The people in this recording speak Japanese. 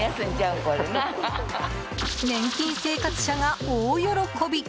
年金生活者が大喜び。